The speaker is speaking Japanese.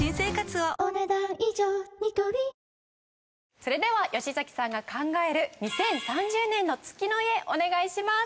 それでは吉崎さんが考える２０３０年の月の家お願いします。